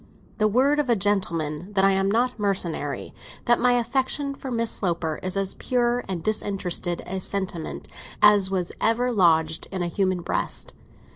"The word of a gentleman that I am not mercenary; that my affection for Miss Sloper is as pure and disinterested a sentiment as was ever lodged in a human breast!